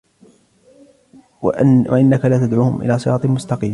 وَإِنَّكَ لَتَدْعُوهُمْ إِلَى صِرَاطٍ مُسْتَقِيمٍ